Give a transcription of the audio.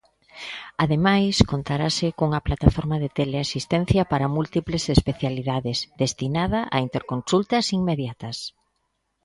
Ademais, contarase cunha plataforma de "Teleasistencia" para múltiples especialidades, destinada a interconsultas inmediatas.